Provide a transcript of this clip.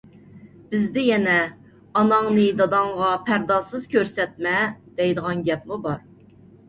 بىزدە يەنە: «ئاناڭنى داداڭغا پەردازسىز كۆرسەتمە» دەيدىغان گەپمۇ بار.